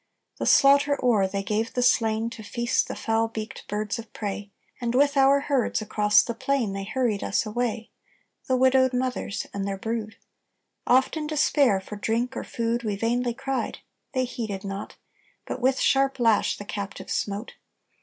"The slaughter o'er, they gave the slain To feast the foul beaked birds of prey, And with our herds across the plain They hurried us away The widowed mothers and their brood. Oft, in despair, for drink or food We vainly cried; they heeded not, But with sharp lash the captive smote.